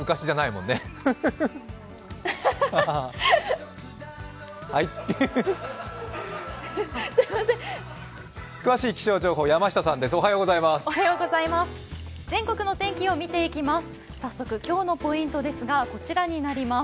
全国の天気を見ていきます。